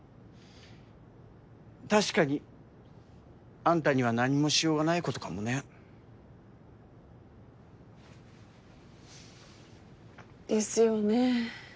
確かにあんたには何もしようがないことかもね。ですよね。